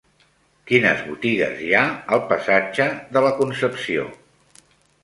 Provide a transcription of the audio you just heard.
Quines botigues hi ha al passatge de la Concepció?